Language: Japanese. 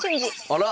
あら！